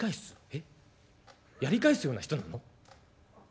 えっやり返すような人なの？」。